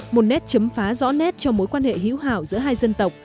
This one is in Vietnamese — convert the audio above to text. một nét chấm phá rõ nét cho mối quan hệ hữu hảo giữa hai dân tộc